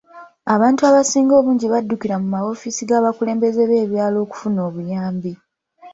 Abantu abasinga obungi baddukira mu mawoofiisi ga bakulembeze b'ebyalo okufuna obuyambi.